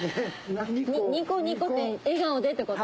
「ニコニコ」って笑顔でってこと？